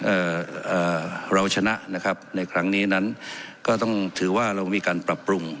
เอ่อเอ่อเราชนะนะครับในครั้งนี้นั้นก็ต้องถือว่าเรามีการปรับปรุง